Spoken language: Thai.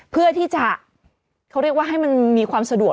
เพื่อที่จะเขาเรียกว่าให้มันมีความสะดวก